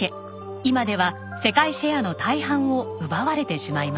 今では世界シェアの大半を奪われてしまいました。